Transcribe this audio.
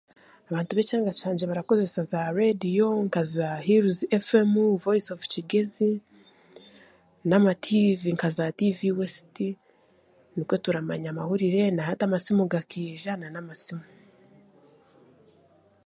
Abantu b'ekyanga kyangye barakozesa zaareediyo, nk'aza Hills FM, Voice of Kigezi, n'amatiivi nk'aza Tiivi Westi, nikwo turamanya amahurire, n'ahati amasimu g'akaiza, n'anamasimu.